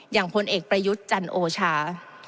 พลเอกประยุทธ์จันโอชา